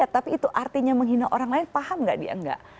tapi itu artinya menghina orang lain paham gak dia enggak